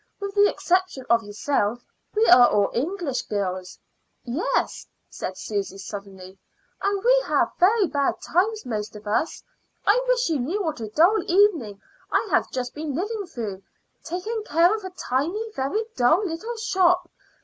With the exception of yourself we are all English girls." "Yes," said Susy suddenly; "and we have very bad times most of us. I wish you knew what a dull evening I have just been living through taking care of a tiny, very dull little shop.